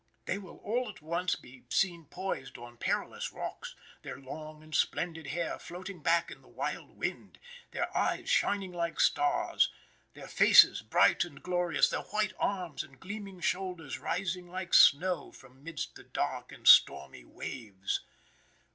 They will all at once be seen poised on perilous rocks, their long and splendid hair floating back in the wild wind, their eyes shining like stars, their faces bright and glorious, their white arms and gleaming shoulders rising like snow from midst the dark and stormy waves.